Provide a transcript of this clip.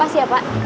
apa sih ya pak